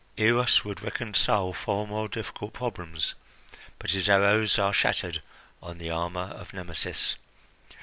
Eros would reconcile far more difficult problems, but his arrows are shattered on the armour of Nemesis.